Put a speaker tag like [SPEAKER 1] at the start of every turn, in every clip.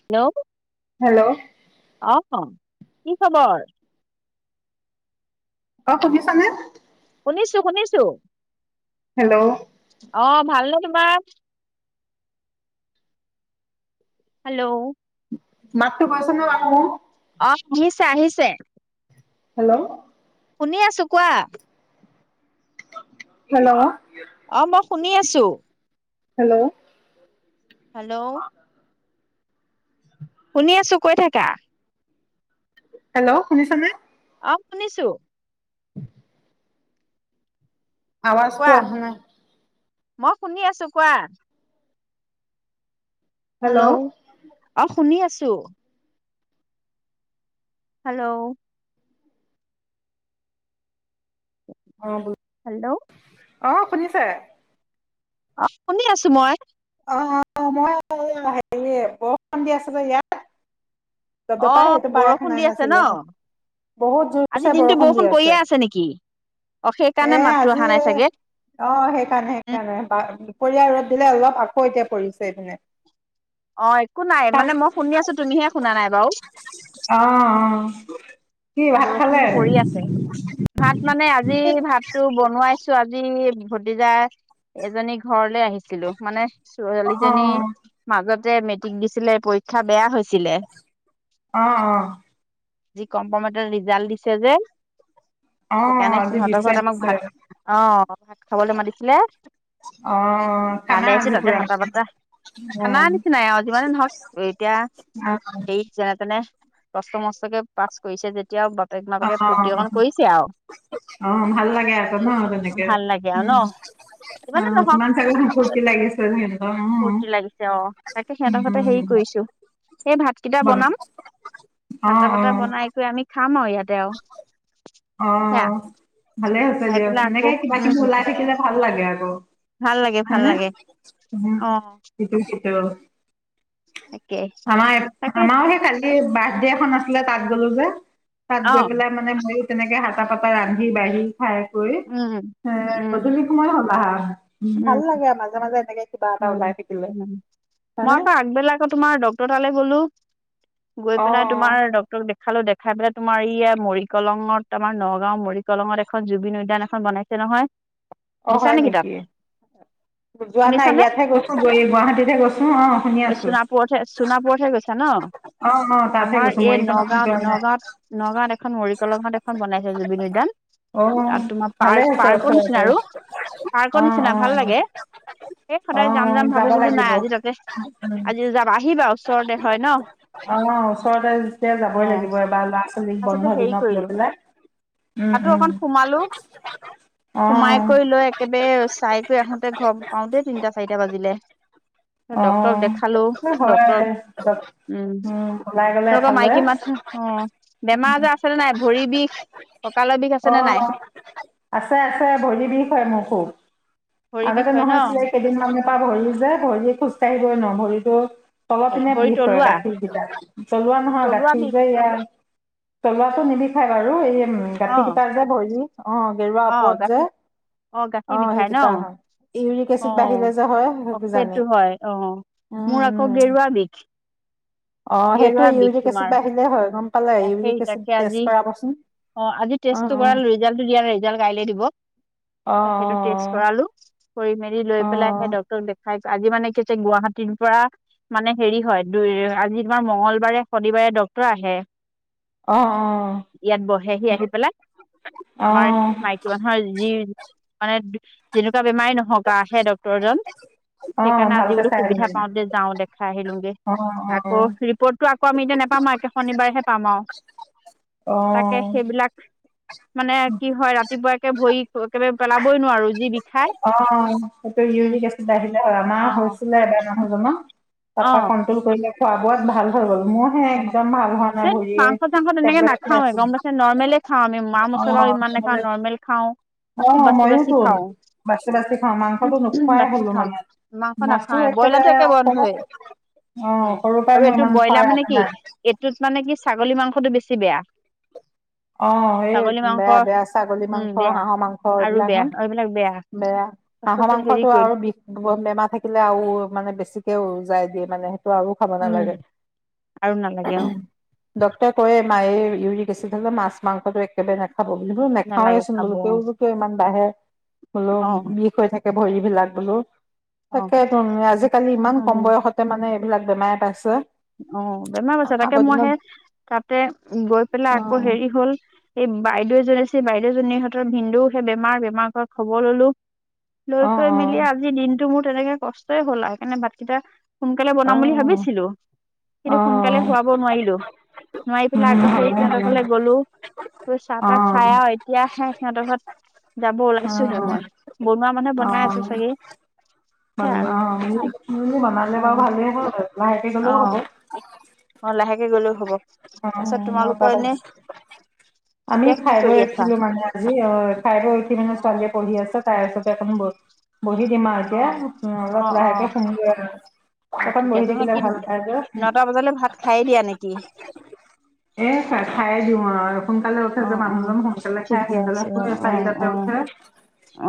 [SPEAKER 1] Hello.
[SPEAKER 2] Hello.
[SPEAKER 1] অঁ', কি খবৰ?
[SPEAKER 2] অ' শুনিছানে?
[SPEAKER 1] শুনিছোঁ শুনিছোঁ।
[SPEAKER 2] হেল্ল'।
[SPEAKER 1] অ', ভালনে তোমাৰ? হেল্ল'
[SPEAKER 2] মাতটো পাইছানে বাৰু মোৰ?
[SPEAKER 1] অ', আহিছে আহিছে।
[SPEAKER 2] হেল্ল'।
[SPEAKER 1] শুনি আছোঁ, কোৱা।
[SPEAKER 2] হেল্ল'।
[SPEAKER 1] অ', মই শুনি আছোঁ।
[SPEAKER 2] হেল্ল'।
[SPEAKER 1] হেল্ল'। শুনি আছোঁ, কৈ থাকা।
[SPEAKER 2] হেল্ল', শুনিছা নে?
[SPEAKER 1] অ', শুনিছোঁ।
[SPEAKER 2] আৱাজটো
[SPEAKER 1] কোৱা
[SPEAKER 2] অহা নাই।
[SPEAKER 1] মই শুনি আছোঁ, কোৱা। হেল্ল', অ' শুনি আছোঁ। হেল্ল'।
[SPEAKER 2] অ', বুজ
[SPEAKER 1] হেল্ল'।
[SPEAKER 2] অ' শুনিছে?
[SPEAKER 1] অ', শুনি আছো মই।
[SPEAKER 2] অ' অ', মই আপোনাৰ হেৰি, বৰষুণ দি আছে যে ইয়াত।
[SPEAKER 1] অ
[SPEAKER 2] দপদপাই সেইটো পায়য়ে
[SPEAKER 1] বৰষুণ
[SPEAKER 2] শুনা
[SPEAKER 1] দি আছে ন
[SPEAKER 2] নাছিলোঁ। বহুত
[SPEAKER 1] আজি
[SPEAKER 2] জোৰছে
[SPEAKER 1] দিনটো
[SPEAKER 2] বৰষুণ দি
[SPEAKER 1] পৰিয়ে
[SPEAKER 2] আছে।
[SPEAKER 1] নেকি অ সেইকাৰণে
[SPEAKER 2] এ
[SPEAKER 1] মাতটো অহা
[SPEAKER 2] আজি
[SPEAKER 1] নাই চাগে
[SPEAKER 2] অ', সেইকাৰণে-সেইকাৰণে, দুপৰীয়া ৰ'দ দিলে অলপ, আকৌ এতিয়া পৰিছে এইপিনে।
[SPEAKER 1] অ', একো নাই,
[SPEAKER 2] তাত
[SPEAKER 1] মানে মই শুনি আছো তুমিহে শুনা নাই বাৰু।
[SPEAKER 2] অ', অ'। কি ভাত খালে
[SPEAKER 1] বৰষুণটো পৰি আছে, ভাত মানে আজি ভাতটো বনোৱাইছ ছো, আজি ভতিজা এজনীৰ ঘৰলৈ আহিছ ছিলো, মানে ছোৱালীজনীৰ
[SPEAKER 2] অ
[SPEAKER 1] মাজতে মেট্ৰিক দিছিলে, পৰীক্ষা বেয়া হৈছিলে।
[SPEAKER 2] অ', অ'।
[SPEAKER 1] জি কম্পমেণ্টৰ ৰিজাল্ট দিছে যে
[SPEAKER 2] অ অ
[SPEAKER 1] সেইকাৰণে
[SPEAKER 2] আজি
[SPEAKER 1] সিহঁতৰ
[SPEAKER 2] দিছে
[SPEAKER 1] ঘৰত আমাক
[SPEAKER 2] দিছে
[SPEAKER 1] ভাত, অ', ভাত খাবলৈ মাতিছিলে
[SPEAKER 2] অ',
[SPEAKER 1] তালৈ
[SPEAKER 2] খানা
[SPEAKER 1] আহিছো
[SPEAKER 2] আজি
[SPEAKER 1] তাতে
[SPEAKER 2] পুৰা?
[SPEAKER 1] হাতা পাতা
[SPEAKER 2] অ
[SPEAKER 1] খানা নিচিনাই আৰু যিমানেই নহওঁক,
[SPEAKER 2] অ
[SPEAKER 1] এতিয়া হেৰি যেনে-তেনে কষ্ট-মষ্টকে পাছ কৰিছে যেতিয়া আৰু বাপেক
[SPEAKER 2] অ
[SPEAKER 1] মাপেকে ফূৰ্তি অকণ কৰিছে আৰু।
[SPEAKER 2] অ', ভাল লাগে আকৌ ন তেনেকে,
[SPEAKER 1] ভাল লাগে আৰু
[SPEAKER 2] উম,
[SPEAKER 1] ন যিমানে
[SPEAKER 2] অ',
[SPEAKER 1] নহওক
[SPEAKER 2] কিমান চাগে সিহঁ ফূৰ্তি লাগিছে চাগে [unintelligible]
[SPEAKER 1] ফূৰ্তি লাগিছে অ', তাকে সিহঁতৰ ঘৰতে
[SPEAKER 2] উম
[SPEAKER 1] হেৰি কৰিছোঁ, সেই ভাত কেইটা
[SPEAKER 2] বন
[SPEAKER 1] বনাম
[SPEAKER 2] অ
[SPEAKER 1] হাতে
[SPEAKER 2] অ
[SPEAKER 1] পাতে বনাই কৰি আমি খাম আৰু ইয়াতে আৰু সেয়া
[SPEAKER 2] অ' ভালে হৈছে
[SPEAKER 1] খাই
[SPEAKER 2] দিয়ক
[SPEAKER 1] পেলাই আকৌ
[SPEAKER 2] তেনেকে কিবা-কিবি ওলাই
[SPEAKER 1] উম
[SPEAKER 2] থাকিলে ভাল লাগে আকৌ।
[SPEAKER 1] ভাল লাগে ভাল
[SPEAKER 2] হয়নে
[SPEAKER 1] লাগে অ
[SPEAKER 2] [unintelligible]
[SPEAKER 1] তাকে
[SPEAKER 2] আমাৰ এ
[SPEAKER 1] তাকে
[SPEAKER 2] আমাৰও হে কালি এই বাৰ্থডে এখন আছিলে তাত গ'লো যে তাত
[SPEAKER 1] অ
[SPEAKER 2] গৈ পেলাই মানে হেই তেনেকে হাতা পাতা ৰান্ধি বাঢ়ি খাই কৰি
[SPEAKER 1] উম
[SPEAKER 2] এ
[SPEAKER 1] উম
[SPEAKER 2] গধূলি সময় হ'ল আহা। উম, ভাল লাগে এ মাজে, মাজে এনেকে কিবা এটা
[SPEAKER 1] উম
[SPEAKER 2] ওলাই থাকিলে হয়নে?
[SPEAKER 1] ত'তোমাৰ ডক্তৰ তালে গলো গৈ
[SPEAKER 2] অ
[SPEAKER 1] পেলাই
[SPEAKER 2] অ
[SPEAKER 1] তোমাৰ ডক ৰক দেখালো দেখাই পেলাই তোমাৰ ইয়া মৰিকলঙত আমাৰ নগাঁও মৰিকলঙত এখন জুবিন উদ্যান এখন বনাই ছে নহয়
[SPEAKER 2] অ'
[SPEAKER 1] গৈছা
[SPEAKER 2] হয়
[SPEAKER 1] তাত
[SPEAKER 2] নেকি? ত'যোৱা নাই
[SPEAKER 1] শুনিছানে
[SPEAKER 2] ইয়াতহে গৈছো গই গুৱাহাটীতেহে গৈছো অ' শুনি আছো?
[SPEAKER 1] সোণাপুৰতহে সোণাপুৰতহে গৈছা ন
[SPEAKER 2] অ' অ' তাতহে
[SPEAKER 1] আমাৰ
[SPEAKER 2] গৈছো
[SPEAKER 1] এই
[SPEAKER 2] মৰিগাঁৱত
[SPEAKER 1] নগাঁৱত,
[SPEAKER 2] যোৱা নাই
[SPEAKER 1] নগাঁৱত, নগাঁৱত এখন মৰিকলঙত এখন বনাইছে জুবিন উদ্যান।
[SPEAKER 2] অ
[SPEAKER 1] তাত তোমাৰ
[SPEAKER 2] ভালে আছে
[SPEAKER 1] পাৰ্ক-পাৰ্কৰ নিচিনা
[SPEAKER 2] ওচৰতে
[SPEAKER 1] আৰু পাৰ্কৰ
[SPEAKER 2] অ
[SPEAKER 1] নিচি
[SPEAKER 2] অ',
[SPEAKER 1] এই
[SPEAKER 2] অ
[SPEAKER 1] সদায় যাম, যাম ভাবো
[SPEAKER 2] যাব
[SPEAKER 1] বোলো
[SPEAKER 2] লাগিব
[SPEAKER 1] নাই আজি তাতে
[SPEAKER 2] উম
[SPEAKER 1] আজি যাম আহিবা ওচৰতে হয় ন?
[SPEAKER 2] অ' ওচৰতে যেতিয়া
[SPEAKER 1] অ
[SPEAKER 2] যাবই লাগিব এবাৰ ল'ৰা- ছোৱালীক
[SPEAKER 1] তাৰছতে
[SPEAKER 2] বন্ধ
[SPEAKER 1] হেৰি
[SPEAKER 2] দিনত
[SPEAKER 1] কৰিলো
[SPEAKER 2] লৈ পেলাই। উম
[SPEAKER 1] তাতো
[SPEAKER 2] উম
[SPEAKER 1] অকণ সোমালো
[SPEAKER 2] অ
[SPEAKER 1] সোমাই কৰি লৈ একেবেৰে চাই কৰি আহোঁতে ঘৰ পাওঁতে তিনটা, চাৰিটা বাজিলে।
[SPEAKER 2] অ'
[SPEAKER 1] ডক্তৰক দেখালো
[SPEAKER 2] এ
[SPEAKER 1] ডক্তৰক
[SPEAKER 2] হয় [unintelligible]
[SPEAKER 1] উম,
[SPEAKER 2] ওলাই গ'লে
[SPEAKER 1] তোমালোকৰ
[SPEAKER 2] এফালে
[SPEAKER 1] মাইকী [unintelligible] অ' বেমাৰ-আজাৰ আছে নে নাই ভৰিৰ বিষ ককালৰ বিষ
[SPEAKER 2] অ
[SPEAKER 1] আছে নে নাই?
[SPEAKER 2] আছে, আছে ভৰিৰ বিষ হয় মোৰ খোব
[SPEAKER 1] ভৰি বিষ
[SPEAKER 2] আগতে
[SPEAKER 1] হয় ন
[SPEAKER 2] নহৈছিলে এই কেইদিনমান [unintelligible] ভৰিৰ যে ভৰিয়ে খোজকাঢ়িবই নোৱাৰোঁ ভৰিটো তলৰ পিনে
[SPEAKER 1] ভৰি
[SPEAKER 2] বিষ হয়
[SPEAKER 1] তলুৱা
[SPEAKER 2] গাঁঠি বিলাক তলোৱা নহয়,
[SPEAKER 1] তলুৱা
[SPEAKER 2] গাঁঠি
[SPEAKER 1] বিষ
[SPEAKER 2] যে এইয়া তলোৱাটো নিবিষায় বাৰু এই
[SPEAKER 1] অ
[SPEAKER 2] গাঁঠি কেইটা যে ভৰিৰ অ' গেৰুৱা
[SPEAKER 1] অ
[SPEAKER 2] ওপৰত যে
[SPEAKER 1] গাঁঠি গাঁঠি
[SPEAKER 2] অ'
[SPEAKER 1] বিষাই
[SPEAKER 2] সেইকেইটা
[SPEAKER 1] ন
[SPEAKER 2] হয় ইউৰিক এচিড
[SPEAKER 1] অ
[SPEAKER 2] বাঢ়িলে যে হয় সেই
[SPEAKER 1] সেইটো
[SPEAKER 2] কিজানি-
[SPEAKER 1] হয় অ মোৰ আকৌ গেৰুৱা বিষ, গেৰুৱা বিষ তোমাৰ।
[SPEAKER 2] সেয়ে হয় গম পালা ইউৰিক এচিড টেষ্ট কৰাবাচোন।
[SPEAKER 1] অ'আজি টেষ্টটো কৰালো ৰিজাল্টটো দিয়া নাই ৰিজাল্ট কাইলে দিব।
[SPEAKER 2] অ
[SPEAKER 1] ত' সেইটো টেষ্ট কৰালো কৰি মেলি
[SPEAKER 2] অ
[SPEAKER 1] লৈ পেলাই সে ডক ডক্টৰক দেখাইছো আজি মানে কি হৈছে গুৱাহাটীৰ পৰা মানে হেৰি হয় দুই আজি তোমাৰ মংগলবাৰে, শনিবাৰে ডক্টৰ আহে
[SPEAKER 2] অ'অ'
[SPEAKER 1] ইয়াত বহেহি আহি পেলাই
[SPEAKER 2] অ অ
[SPEAKER 1] আমাৰ মাইকী মানুহৰ যি মানে যেনেকুৱা বেমাৰেই নহ ঘৰৰপৰা আহে ডক্তৰ জন
[SPEAKER 2] অ অ
[SPEAKER 1] সেইকাৰণে আজি
[SPEAKER 2] ভালকে
[SPEAKER 1] বোলো
[SPEAKER 2] চাই
[SPEAKER 1] সুবিধা
[SPEAKER 2] আহিবা
[SPEAKER 1] পাওঁতে যাওঁ দেখাই আহিলোঁগে
[SPEAKER 2] অ
[SPEAKER 1] আকৌ
[SPEAKER 2] অ
[SPEAKER 1] ৰিপ'ৰ্ট টো আকৌ আমি এতিয়া নেপাম আৰ একে শনিবাৰেহে পাম আৰু
[SPEAKER 2] অ
[SPEAKER 1] তাকে সেইবিলাক মানে কি হয় ৰাতিপুৱা একে ভৰি একেবাৰে পেলাবই নোৱাৰোঁ যি বিষ
[SPEAKER 2] অ' সিটো ইউৰিক এচিড বাঢ়িলে হয়
[SPEAKER 1] অ
[SPEAKER 2] আমাৰ হৈছিলে
[SPEAKER 1] তাত
[SPEAKER 2] এবাৰ মানুহজনৰ।
[SPEAKER 1] অ
[SPEAKER 2] তাৰপা কণ্ট্ৰল কৰিলে খোৱা- বোৱাত ভাল হৈ গ'ল মোৰ হে
[SPEAKER 1] অ'
[SPEAKER 2] একদম ভাল হোৱা নাই
[SPEAKER 1] [unintelligible]
[SPEAKER 2] ভৰিয়ে
[SPEAKER 1] মাংস- চাংস তেনেকে
[SPEAKER 2] টেবলেট খাই
[SPEAKER 1] নাখাওৱে
[SPEAKER 2] আছো
[SPEAKER 1] গম [unintelligible] নৰ্মলে খাও আমি মা
[SPEAKER 2] অ
[SPEAKER 1] মছলাও ইমান নে খা
[SPEAKER 2] টেবলেট
[SPEAKER 1] নৰ্মেল খাওঁ, খুব
[SPEAKER 2] অ',
[SPEAKER 1] বাচি, বাচি
[SPEAKER 2] ময়োতো
[SPEAKER 1] খাওঁ।
[SPEAKER 2] বাচি বাচি খাওঁ, মাংসটো
[SPEAKER 1] [unintelligible]
[SPEAKER 2] নোখোৱাই
[SPEAKER 1] বাছি
[SPEAKER 2] হ'লো
[SPEAKER 1] খাওঁ
[SPEAKER 2] মানে।
[SPEAKER 1] মাংস
[SPEAKER 2] মাছো
[SPEAKER 1] নাখাওঁৱে ব্ৰইলাৰটো
[SPEAKER 2] একেবাৰে
[SPEAKER 1] একে
[SPEAKER 2] অসমত
[SPEAKER 1] বন্ধয়েই
[SPEAKER 2] অ',
[SPEAKER 1] উম',
[SPEAKER 2] সৰুৰ পৰাই
[SPEAKER 1] আৰু
[SPEAKER 2] মোৰ
[SPEAKER 1] এইটো
[SPEAKER 2] ইমান খোৱাৰ
[SPEAKER 1] ব্ৰইলাৰ মানে
[SPEAKER 2] ৰাপ
[SPEAKER 1] কি কি,
[SPEAKER 2] নাই।
[SPEAKER 1] এইটোত মানে কি ছাগলী মাংসটো বেছি বেয়া।
[SPEAKER 2] অ', এ
[SPEAKER 1] ছাগলী মাংস
[SPEAKER 2] বেয়া বেয়া ছাগলী মাংস, হাঁহৰ মাংস এইবিলাক হন
[SPEAKER 1] এই বিলাক বেয়া।
[SPEAKER 2] বেয়া, হাঁহৰ
[SPEAKER 1] তাৰপাছতে হেৰি
[SPEAKER 2] মাংসটো
[SPEAKER 1] কৰি
[SPEAKER 2] আৰু বিষ বেমাৰ থাকিলে আও মানে বেছিকে ওজাই দিয়ে মানে সেইটো আও খাব
[SPEAKER 1] উম
[SPEAKER 2] নালাগে।
[SPEAKER 1] আৰু নালাগে অ
[SPEAKER 2] ডক্টৰে কয়ে মাইৰে ইউৰিক এচিড আছে মাছ- মাংসটো একেবাৰে নে খাব বুলি মই নেখাওঁৱে
[SPEAKER 1] নালাগে
[SPEAKER 2] চোন
[SPEAKER 1] খাব
[SPEAKER 2] বোলো
[SPEAKER 1] অ
[SPEAKER 2] তেওঁনো কিয় ইমান বাঢ়ে। বোলো
[SPEAKER 1] অ
[SPEAKER 2] বিষ হৈ থাকে ভৰিবিলাক বোলো।
[SPEAKER 1] অ
[SPEAKER 2] তাকে তোন আজিকালি ইমান কম
[SPEAKER 1] উম
[SPEAKER 2] বয়সত এতিয়া মানে এই বিলাক বেমাৰে পাইছে।
[SPEAKER 1] অঁ, বেমাৰ পাইছে তাকে
[SPEAKER 2] আগৰ
[SPEAKER 1] মই হে,
[SPEAKER 2] দিনত
[SPEAKER 1] তাতে গৈ পেলাই
[SPEAKER 2] অ
[SPEAKER 1] আকৌ হেৰি হ'ল। সেই বাইদেউ এজনী আছে বাইদেউ জনীহঁতৰ ভিনদেউও সে বেমাৰ বেমাৰ বুলি খবৰ ল'লো- লৈ
[SPEAKER 2] অ
[SPEAKER 1] কৈ
[SPEAKER 2] অ
[SPEAKER 1] মেলি আজি দিনটো মোৰ তেনেকে কষ্টই হ'ল আও সেইকাৰণে ভাতকেইটা সোনকালে
[SPEAKER 2] অ
[SPEAKER 1] বনাম বুলি ভাবিছিলো।
[SPEAKER 2] অ
[SPEAKER 1] কিন্তু সোনকালে খুৱাব নোৱাৰিলোঁ। নোৱাৰি
[SPEAKER 2] উম
[SPEAKER 1] পেলাই আকৌ সেই
[SPEAKER 2] হয়
[SPEAKER 1] সিহঁতৰ ঘৰলে গলো ত চাহ
[SPEAKER 2] অ
[SPEAKER 1] -তাহ খাই আও এতিয়া হে সিহঁতৰ ঘৰত, যাব
[SPEAKER 2] অ
[SPEAKER 1] ওলাইছোহে মই, বনোৱা মানুহে বনাই আছে চাগে।
[SPEAKER 2] ব
[SPEAKER 1] সেয়া আৰু
[SPEAKER 2] অঁ মোৰ বনালে বাৰু
[SPEAKER 1] উম
[SPEAKER 2] ভালেই হ'ল। লাহেকে গ'লও হ'ব।
[SPEAKER 1] অঁ, লাহেকে গ'লও হব
[SPEAKER 2] অ
[SPEAKER 1] তাৰপিছত
[SPEAKER 2] নটা
[SPEAKER 1] তোমালোকৰ
[SPEAKER 2] বাজি
[SPEAKER 1] এনেই-
[SPEAKER 2] আমি খাই বৈ উঠিলো মানে আজি অ' খাই বৈ উঠি মানে
[SPEAKER 1] অ',
[SPEAKER 2] ছোৱালীয়ে পঢ়ি আছে। তাই ওচৰতে অকমান বহি দিম আও এতিয়া,
[SPEAKER 1] অ',
[SPEAKER 2] ওম অলপ লাহেকে শুমগৈ আও
[SPEAKER 1] অঁ ঠিক আছে মানে কি, নটা বজালৈ ভাত খাইে দিয়া নেকি?
[SPEAKER 2] এ খাই দিওঁ আৰু শুনকালে উঠে যে
[SPEAKER 1] অ', অ',
[SPEAKER 2] মানুহজন সোনকালে খাই
[SPEAKER 1] ঠিকে
[SPEAKER 2] সোনকালে
[SPEAKER 1] আছে
[SPEAKER 2] শুৱে সোনকালছ উঠে
[SPEAKER 1] অ', অ',
[SPEAKER 2] চাৰিটাতে
[SPEAKER 1] অ',
[SPEAKER 2] উঠে।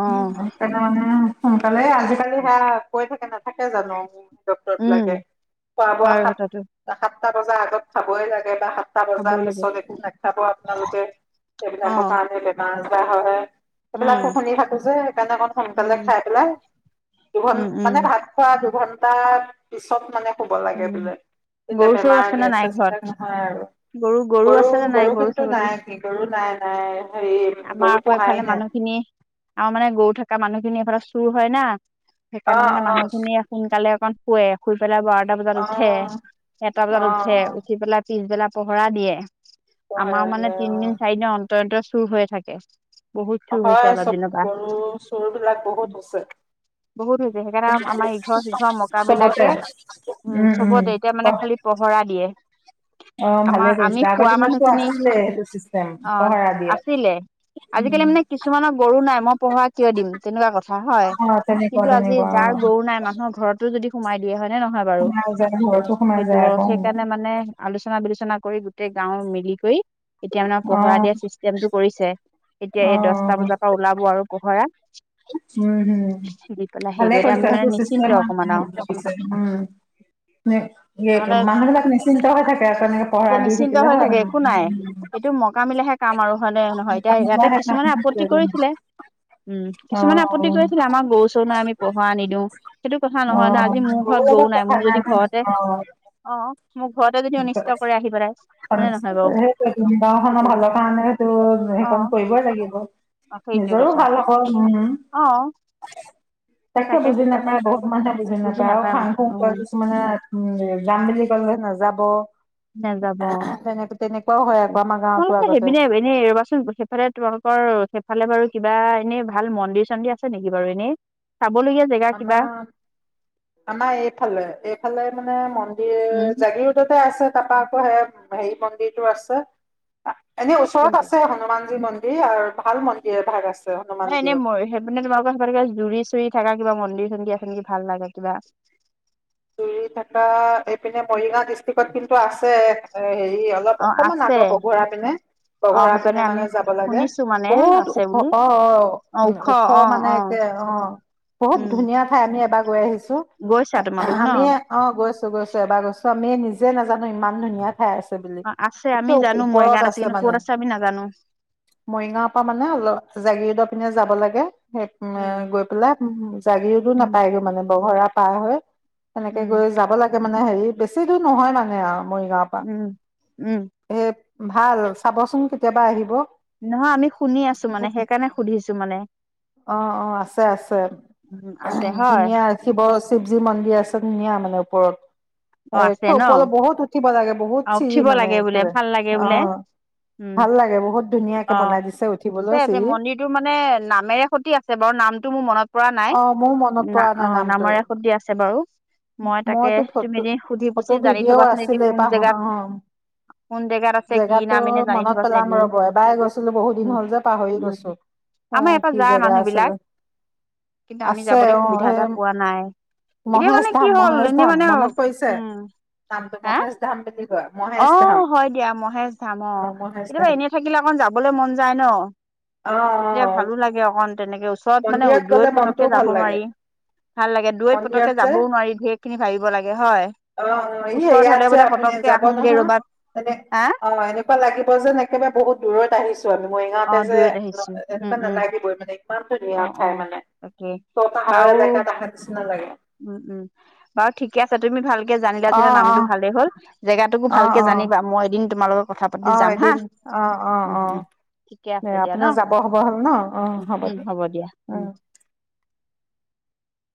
[SPEAKER 1] অ',
[SPEAKER 2] এঁ সোনকালে এই আজি কালি সেয়া কৈ থাকে নাথাকে জানোঁ? ডক্টৰ
[SPEAKER 1] উম,
[SPEAKER 2] বিলাকে, খোৱা বোৱা
[SPEAKER 1] হয়
[SPEAKER 2] সাত
[SPEAKER 1] কথাটো
[SPEAKER 2] সাতটা বজাৰ আগত খাবই লাগে, বা সাতটা বজাৰ
[SPEAKER 1] খাবই লাগে
[SPEAKER 2] পিছত একো নেখাব আপোনালোকে
[SPEAKER 1] অ',
[SPEAKER 2] সেইবিলাকৰ কাৰণে বেমাৰ আজাৰ হয়।
[SPEAKER 1] উম,
[SPEAKER 2] সেইবেলাকো শুনি থাকো যে, সেইকাৰণে অকণ সোনকালে
[SPEAKER 1] উম,
[SPEAKER 2] খাই পেলাই দুঘন
[SPEAKER 1] উম, উম,
[SPEAKER 2] মানে ভাত খোৱা দুঘন্টা পিছত মানে শুব লাগে
[SPEAKER 1] উম,
[SPEAKER 2] বোলে, তেতিয়া
[SPEAKER 1] গৰু চৰু
[SPEAKER 2] বেমাৰ
[SPEAKER 1] আছে নে
[SPEAKER 2] গেছ
[SPEAKER 1] নাই ঘৰত?
[SPEAKER 2] বিলাক নহয়
[SPEAKER 1] গৰু গৰু
[SPEAKER 2] আৰু
[SPEAKER 1] আছে নে নাই
[SPEAKER 2] গৰু গৰু গৰুটো
[SPEAKER 1] ছাগলী?
[SPEAKER 2] নাই কি গৰু নাই নাই হেৰি গৰু পোঁহাই নাই।
[SPEAKER 1] আও মানে গৰু থকা মানুহখিনি এইফালে চুৰ হয় না, সেইকাৰণে
[SPEAKER 2] অ',
[SPEAKER 1] মানে
[SPEAKER 2] অ'।
[SPEAKER 1] মানুহখিনিয়ে সোনকালে অকণ শুৱে, শুই পেলাই বাৰটা বজাত উঠে,
[SPEAKER 2] অ',
[SPEAKER 1] এটা বজাত উঠে,
[SPEAKER 2] অ',
[SPEAKER 1] উঠি পেলাই পিছবেলা পহৰা দিয়ে, আমাৰ মানে
[SPEAKER 2] পহৰালে
[SPEAKER 1] তিনদিন
[SPEAKER 2] অ'।
[SPEAKER 1] চাৰিদিন অন্তৰ অন্তৰে চুৰ হৈ থাকে। বহুত চুৰ হৈছে
[SPEAKER 2] হয়
[SPEAKER 1] অলপ
[SPEAKER 2] চ'ব
[SPEAKER 1] দিনৰ পৰা
[SPEAKER 2] গৰু চোৰ বিলাক বহুত হৈছে।
[SPEAKER 1] বহুত হৈছে সেইকাৰণে আমাৰ ইঘৰ সিঘৰ মকা‌
[SPEAKER 2] চবতে
[SPEAKER 1] মিলাকে উম'
[SPEAKER 2] উম,
[SPEAKER 1] চ'বতে এতিয়া
[SPEAKER 2] অ',
[SPEAKER 1] মানে খালি পহৰা দিয়ে।
[SPEAKER 2] অ ভালে
[SPEAKER 1] আমাৰ, আমি
[SPEAKER 2] কৰিছে আগৰ
[SPEAKER 1] শুৱা
[SPEAKER 2] দিনততো
[SPEAKER 1] মানুহখিনি
[SPEAKER 2] আছিলে সেইটো চিষ্টেম
[SPEAKER 1] অঁ
[SPEAKER 2] পহৰা দিয়ে।
[SPEAKER 1] আছিলে। আজিকালি মানে কিছুমানৰ গৰু নাই, মই পহৰা কিয় দিম? তেনেকুৱা কথা হয়।
[SPEAKER 2] অ', তেনেকুৱা
[SPEAKER 1] কিন্তু আজি
[SPEAKER 2] তেনেকুৱা
[SPEAKER 1] যাৰ
[SPEAKER 2] অ',
[SPEAKER 1] গৰু নাই, মানুহৰ ঘৰতো যদি সোমাই দিয় হয় নে নহ বাৰু
[SPEAKER 2] সোমাই যায় ঘৰতো সোমাই যায়
[SPEAKER 1] সেইটোও
[SPEAKER 2] আকৌ।
[SPEAKER 1] সেইকাৰণে মানে আলোচনা বিলোচনা কৰি গোটেই গাঁও মিলি কৰি এতিয়া মানে পহৰা
[SPEAKER 2] অ',
[SPEAKER 1] দিয়া চি টেমটো কৰিছে, এতিয়া এই
[SPEAKER 2] অ',
[SPEAKER 1] দহটা বজাৰ পৰা ওলাব আৰু পহৰা।
[SPEAKER 2] উম' হম
[SPEAKER 1] দি পেলাই হেৰি
[SPEAKER 2] ভালে
[SPEAKER 1] কৰি এতিয়া আমি
[SPEAKER 2] কৰিছে
[SPEAKER 1] মানে নিশ্চিন্ত
[SPEAKER 2] চিষ্টেম মানে-
[SPEAKER 1] অকমান আৰু
[SPEAKER 2] উম'
[SPEAKER 1] নহ'লে
[SPEAKER 2] মানুহ বিলাক নিশ্চিন্ত হৈ থাকে আৰু কাৰণে-
[SPEAKER 1] যে
[SPEAKER 2] পহৰা দি
[SPEAKER 1] নিশ্চিন্ত
[SPEAKER 2] থাকিলে
[SPEAKER 1] হৈ
[SPEAKER 2] হয়
[SPEAKER 1] থাকে একো নাই এইটো মকামিলেহে কাম আৰু হয়নে নহয় এতিয়া ইয়াতে কিছুমানে আপত্তি
[SPEAKER 2] [unintelligible] উম
[SPEAKER 1] কৰিছিলে উম' কিছুমানে আপত্তি কৰি আছিলে আমাৰ গৰু চৰু নাই আমি পহৰা-চহৰা নিদিওঁ। সেইটো কথা
[SPEAKER 2] অ
[SPEAKER 1] নহয় নহয় আজি মোৰ
[SPEAKER 2] গৰুৰ
[SPEAKER 1] ঘৰত গৰু
[SPEAKER 2] লগত
[SPEAKER 1] নাই।
[SPEAKER 2] কথা
[SPEAKER 1] মোৰ যদি
[SPEAKER 2] ন
[SPEAKER 1] ঘৰতে
[SPEAKER 2] অ
[SPEAKER 1] অ' মোৰ ঘৰতে যদি অনিষ্ট কৰে আহি পেলাই
[SPEAKER 2] য়
[SPEAKER 1] হয়নে নহয়
[SPEAKER 2] সেইটো
[SPEAKER 1] বাৰু
[SPEAKER 2] ঘৰখনৰ
[SPEAKER 1] সেইটোৱে
[SPEAKER 2] ভালৰ
[SPEAKER 1] কথা
[SPEAKER 2] কাৰণে সেইটো
[SPEAKER 1] অ
[SPEAKER 2] সেইখন কৰিবই লাগিবই।
[SPEAKER 1] অ সেইটোৱে
[SPEAKER 2] নিজৰো
[SPEAKER 1] কথা
[SPEAKER 2] ভাল হ'ব। উম-
[SPEAKER 1] অ সেই
[SPEAKER 2] তাকে বুজি
[SPEAKER 1] সেইকাৰণে
[SPEAKER 2] নাপায় বহুত মানুহে বুজি নাপায় আৰু ফাং ফুং কৰে কিছুমানে মানুহে। উম' যাম বুলি ক'লে নাযাব।
[SPEAKER 1] নাযাব অ
[SPEAKER 2] তেনে তেনেকুৱাও হয় আকৌ' আমাৰ গাঁৱতো
[SPEAKER 1] তোমালোকৰ
[SPEAKER 2] আগতে-
[SPEAKER 1] সেইপিনে এনে ৰবাচোন সেইফালে তোমালোকৰ সেইফালে বাৰু কিবা এনে ভাল মন্দিৰ-চন্দিৰ আছে নেকি বাৰু এনেই- চাবলগীয়া- জেগা কিবা
[SPEAKER 2] আমাৰ, আমাৰ এইফালে এইফালে মানে মন্দিৰ
[SPEAKER 1] উম'
[SPEAKER 2] জাগীৰোদতে আছে তাৰপৰা আকৌ' হেৰি মন্দিৰটো আছে। এনে ওচৰত
[SPEAKER 1] কোনটো
[SPEAKER 2] আছে হনুমানজী মন্দিৰ আৰু ভাল মন্দিৰ এ ভাগ আছে।
[SPEAKER 1] নাই এনেই
[SPEAKER 2] হনুমানজীও
[SPEAKER 1] সেইপিনে মানে তোমালোকৰ সেইপিনে কিবা জুৰি- চুৰি থকা কিবা মন্দিৰ-চন্দিৰ আছে নেকি ভাল লগা কিবা
[SPEAKER 2] জুৰি থকা এইপিনে মৰিগাঁও ডিষ্ট্ৰিকত কিন্তু আছে হেৰি- অলপ
[SPEAKER 1] অ
[SPEAKER 2] অকমান
[SPEAKER 1] আছে
[SPEAKER 2] আগত বঘৰা পিনে-
[SPEAKER 1] অ
[SPEAKER 2] বঘৰা
[SPEAKER 1] সেইপিনে
[SPEAKER 2] পিনে
[SPEAKER 1] আমি
[SPEAKER 2] মানে যাব লাগে।
[SPEAKER 1] শুনিছো মানে
[SPEAKER 2] বহুত
[SPEAKER 1] আছে
[SPEAKER 2] ওখ
[SPEAKER 1] বুলি
[SPEAKER 2] অ' অ'
[SPEAKER 1] অ
[SPEAKER 2] উ- ওখ
[SPEAKER 1] অ
[SPEAKER 2] মানে
[SPEAKER 1] অ
[SPEAKER 2] একে অ বহুত
[SPEAKER 1] উম
[SPEAKER 2] ধুনীয়া ঠাই আমি এবাৰ গৈ আহিছো।
[SPEAKER 1] গৈছা তুমি?
[SPEAKER 2] আমিয়ে অ গৈছো গৈছো এবাৰ গৈছো আমি নিজে নাজানো ধুনীয়া ঠা ঠাই আছে বুলি
[SPEAKER 1] অ আছে
[SPEAKER 2] একে
[SPEAKER 1] আমি জানো
[SPEAKER 2] ওপৰত
[SPEAKER 1] মৰিগাঁৱত
[SPEAKER 2] আছে
[SPEAKER 1] কিন্তু
[SPEAKER 2] মানে।
[SPEAKER 1] ক'ত আমি নাজানো
[SPEAKER 2] মৰিগাঁৱৰ পৰা মানে অলপ জাগীৰোডৰ পিনে যাব লাগে। সেই
[SPEAKER 1] উম
[SPEAKER 2] গৈ পেলাই জাগীৰোডো
[SPEAKER 1] উম
[SPEAKER 2] নাপায়গৈ মানে বঘৰা পাৰ হৈ তেনেকে
[SPEAKER 1] উম
[SPEAKER 2] গৈ যাব লাগে মানে হেৰি বেছি দূৰ নহয় মানে আউ মৰিগাঁৱত
[SPEAKER 1] উম উম
[SPEAKER 2] এ ভাল চাবচোন কেতিয়াবা আহিব।
[SPEAKER 1] নহয় আমি সুনি আছো মানে সেইকাৰণে সুধিছো মানে।
[SPEAKER 2] অ', অ' আছে আছে
[SPEAKER 1] উম
[SPEAKER 2] উ
[SPEAKER 1] আছে হয়
[SPEAKER 2] ধুনীয়া শিৱ শিৱজী মন্দিৰ আছে ধুনীয়া মানে
[SPEAKER 1] অ
[SPEAKER 2] ওপৰত
[SPEAKER 1] আছে
[SPEAKER 2] এ
[SPEAKER 1] ন
[SPEAKER 2] ওপৰলৈ বহুত উঠিব লাগে। বহুত
[SPEAKER 1] অ'
[SPEAKER 2] চিৰি
[SPEAKER 1] উঠিব
[SPEAKER 2] মানে
[SPEAKER 1] লাগে বোলে
[SPEAKER 2] একেবাৰে
[SPEAKER 1] ভাল লাগে
[SPEAKER 2] অ
[SPEAKER 1] বোলে। উম,
[SPEAKER 2] ভাল লাগে বহুত ধুনীয়াকে
[SPEAKER 1] অ,
[SPEAKER 2] বনাই দিছে উঠিবলৈ
[SPEAKER 1] আছে
[SPEAKER 2] চিৰি
[SPEAKER 1] মন্দিৰটো মানে নামেৰে সতি আছে। কেৱল নামটো মো মনত পৰা নাই।
[SPEAKER 2] অ মোৰ মনত
[SPEAKER 1] না
[SPEAKER 2] পৰা
[SPEAKER 1] অ
[SPEAKER 2] নাই নামটো
[SPEAKER 1] নামৰে শুব্দি আছে বাৰু। মই তাকে
[SPEAKER 2] মইতো
[SPEAKER 1] তুমি
[SPEAKER 2] ফটো
[SPEAKER 1] এদিন সুধি পুছি
[SPEAKER 2] ফটো
[SPEAKER 1] জানি
[SPEAKER 2] ভিডিঅ'
[SPEAKER 1] থবাচোন এদিন যে
[SPEAKER 2] আছিলে
[SPEAKER 1] কোন
[SPEAKER 2] পাহ
[SPEAKER 1] জেগাত
[SPEAKER 2] অ
[SPEAKER 1] কোন জেগাত আছে কি
[SPEAKER 2] জেগাতো
[SPEAKER 1] নাম এনে জানি
[SPEAKER 2] মনত
[SPEAKER 1] থবাচোন
[SPEAKER 2] পেলাম
[SPEAKER 1] এদিন
[SPEAKER 2] ৰ'ব এবাৰ গৈছিলো বহুত দিন
[SPEAKER 1] উম
[SPEAKER 2] হ'ল যে পাহৰি
[SPEAKER 1] উম।
[SPEAKER 2] গৈছো এ
[SPEAKER 1] আমাৰ এৰপা
[SPEAKER 2] কি
[SPEAKER 1] যায়
[SPEAKER 2] জেগা
[SPEAKER 1] মানুহ বিলাক
[SPEAKER 2] আছিলে
[SPEAKER 1] কিন্তু আমি
[SPEAKER 2] আছে
[SPEAKER 1] যাবলৈ
[SPEAKER 2] অ
[SPEAKER 1] সুবিধা এটা
[SPEAKER 2] সেই
[SPEAKER 1] পোৱা নাই। কেতিয়া
[SPEAKER 2] মহেশ
[SPEAKER 1] মানে কি
[SPEAKER 2] ধাম
[SPEAKER 1] হ'ল
[SPEAKER 2] মহেশ
[SPEAKER 1] এনেই
[SPEAKER 2] ধাম
[SPEAKER 1] মানে
[SPEAKER 2] মনত পৰিছে
[SPEAKER 1] উম
[SPEAKER 2] নামটো
[SPEAKER 1] হা
[SPEAKER 2] [unintelligible]
[SPEAKER 1] অ' হয় দিয়া মহেশ ধাম অ'
[SPEAKER 2] মহেশ
[SPEAKER 1] কেতিয়াবা
[SPEAKER 2] ধাম
[SPEAKER 1] এনেই থাকিলে অকণ যাবলৈ মন যায় ন।
[SPEAKER 2] অ অ
[SPEAKER 1] তেতিয়া ভালো লাগে অকন তেনেকে ওচৰত মানে
[SPEAKER 2] মন্দিৰত গ'লে
[SPEAKER 1] দূৰৈত
[SPEAKER 2] মনটোও
[SPEAKER 1] পতককে
[SPEAKER 2] ভাল
[SPEAKER 1] যাব
[SPEAKER 2] লাগে
[SPEAKER 1] নোৱাৰি। ভাল লাগে দূৰৈত
[SPEAKER 2] মন্দিৰত
[SPEAKER 1] পতেকে
[SPEAKER 2] যে
[SPEAKER 1] যাবও নোৱাৰী ধেৰ খিনি ভাবিব লাগে হয়।
[SPEAKER 2] অ' অ' ই
[SPEAKER 1] ওচৰত
[SPEAKER 2] ইয়াত
[SPEAKER 1] হলে
[SPEAKER 2] যে
[SPEAKER 1] বোলে
[SPEAKER 2] আপুনি
[SPEAKER 1] পতককে
[SPEAKER 2] যাব
[SPEAKER 1] আহোংগে
[SPEAKER 2] নহয়
[SPEAKER 1] ৰবাত
[SPEAKER 2] মানে।
[SPEAKER 1] হা
[SPEAKER 2] অ এনেকুৱা লাগিব যেন একেবাৰে বহুত আহিছ মোইনা
[SPEAKER 1] অ
[SPEAKER 2] ইহঁতে যে
[SPEAKER 1] দূৰৈত আহিছো
[SPEAKER 2] এনেকুৱা
[SPEAKER 1] উম উম
[SPEAKER 2] নালাগিবই মানে
[SPEAKER 1] অ
[SPEAKER 2] [unintelligible]
[SPEAKER 1] অ
[SPEAKER 2] ঠাই মানে,
[SPEAKER 1] তাকে
[SPEAKER 2] পাহাৰৰ
[SPEAKER 1] বাৰু
[SPEAKER 2] এলেকাত আৰু নিচিনা লাগে।
[SPEAKER 1] উম উম বাৰু ঠিক ঠিকে আছে তুমি ভালকে
[SPEAKER 2] অ
[SPEAKER 1] জানিলা নামটো ভালেই হ'ল। জেগাতটোকো
[SPEAKER 2] অ অ
[SPEAKER 1] ভালকে
[SPEAKER 2] অ
[SPEAKER 1] জানিবা মই এদিন তোমালোকক কথা পাতি
[SPEAKER 2] অ
[SPEAKER 1] যাম হা?
[SPEAKER 2] এদিন অ অ
[SPEAKER 1] উম
[SPEAKER 2] অ
[SPEAKER 1] উম। ঠিকে আছে দিয়া ন?
[SPEAKER 2] আপোনাৰ যাব হ'ব হ'ল ন অ
[SPEAKER 1] উম উম
[SPEAKER 2] দিয়ক।
[SPEAKER 1] হ'ব দিয়া উম।